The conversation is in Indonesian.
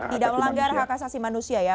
tidak melanggar hak asasi manusia ya